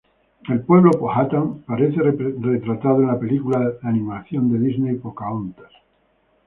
El pueblo powhatan aparece retratado en la película de animación de Disney, "Pocahontas".